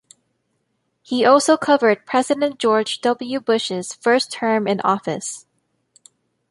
He also covered President George W. Bush's first term in office.